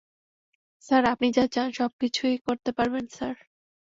Sir, আপনি যা চান সবকিছুই করতে পারবেন, স্যার।